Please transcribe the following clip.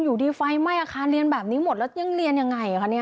อยู่ดีไฟไหม้อาคารเรียนแบบนี้หมดแล้วยังเรียนยังไงคะเนี่ย